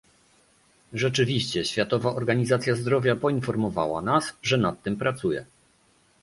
Rzeczywiście Światowa Organizacja Zdrowia poinformowała nas, że nad tym pracuje